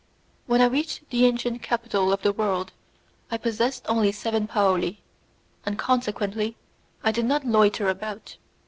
When I reached the ancient capital of the world, I possessed only seven paoli, and consequently I did not loiter about.